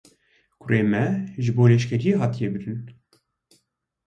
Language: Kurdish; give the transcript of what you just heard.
Kurê me ji bo leşkeriyê hatiye birin.